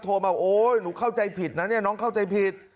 โทรมาโอ๊ยหนูเข้าใจผิดนะเนี่ยน้องเข้าใจผิด